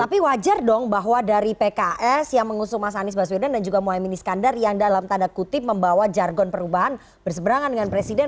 tapi wajar dong bahwa dari pks yang mengusung mas anies baswedan dan juga mohaimin iskandar yang dalam tanda kutip membawa jargon perubahan berseberangan dengan presiden